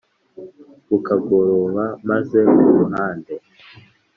Bukagoroba maze uruhande!”